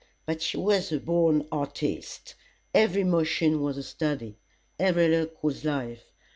But she was a born artiste. Every motion was a study. Every look was life.